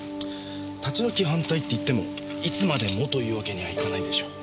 立ち退き反対っていってもいつまでもというわけにはいかないでしょう。